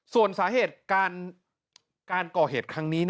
ส่วนสาเหตุการก่อเหตุครั้งนี้